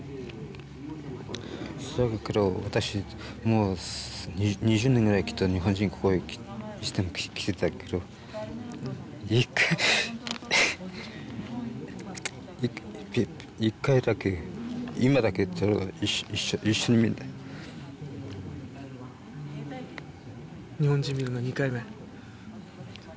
そうだけど私もう２０年ぐらいきっと日本人ここへ来てたけど一回一回だけ今だけ一緒に日本人見るの２回目？